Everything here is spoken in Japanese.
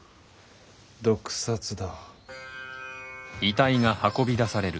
毒殺だ。